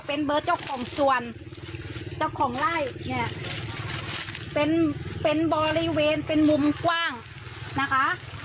เป็นเบอร์เจ้าของส่วนเจ้าของไล่เนี่ยเป็นเป็นบริเวณเป็นมุมกว้างนะคะ